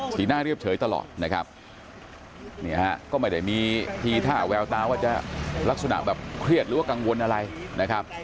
หน้าเรียบเฉยตลอดนะครับนี่ฮะก็ไม่ได้มีทีท่าแววตาว่าจะลักษณะแบบเครียดหรือว่ากังวลอะไรนะครับ